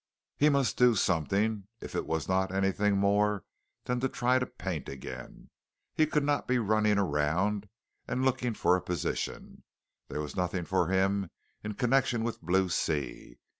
He must do something, if it was not anything more than to try to paint again. He could not be running around looking for a position. There was nothing for him in connection with Blue Sea.